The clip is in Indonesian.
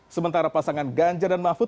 sementara pasangan ganjar dan mahfud